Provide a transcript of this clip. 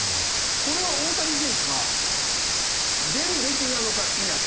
これは大谷選手は出るべきなのか否か。